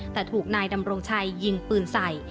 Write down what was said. แต่ถูกนายดำรงชัยยิงปืนใส่